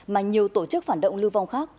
mà nhiều tổ chức phản động lưu vong khác